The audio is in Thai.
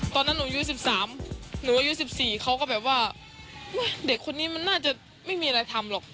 ตอนนั้นหนูอายุ๑๓หนูอายุ๑๔เขาก็แบบว่าเด็กคนนี้มันน่าจะไม่มีอะไรทำหรอก